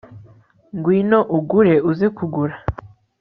Ngwino ugure uze kugura